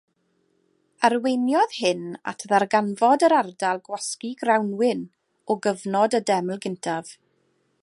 Arweiniodd hyn at ddarganfod yr ardal gwasgu grawnwin o gyfnod y Deml Gyntaf.